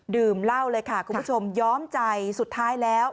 ดื่มเหล้าเลยค่ะคุณผู้ชมย้อมใจสุดท้ายแล้ว